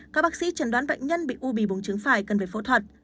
các bác sĩ trần đoán bệnh nhân bị u bì bùng trứng phải cần phải phẫu thuật